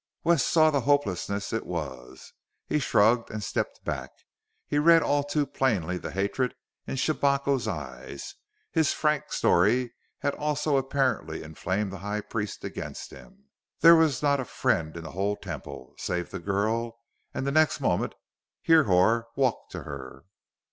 Wes saw how hopeless it was; he shrugged and stepped back. He read all too plainly the hatred in Shabako's eyes; his frank story had also apparently inflamed the High Priest against him. There was not a friend in the whole Temple, save the girl and the next moment Hrihor walked to her.